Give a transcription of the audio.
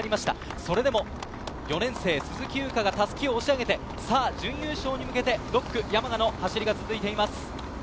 それでも４年生・鈴木優花が襷を押し上げて準優勝に向けて、６区・山賀の走りが続いています。